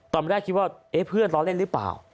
ตอนแรกคิดว่าเอ๊ะเพื่อนล้อเล่นหรือเปล่า